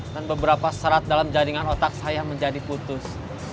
dan beberapa serat dalam jaringan otak saya menjadi putus